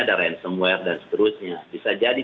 ada ransomware dan seterusnya bisa jadi